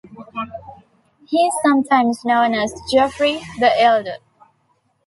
He is sometimes known as "Geoffroy the Elder".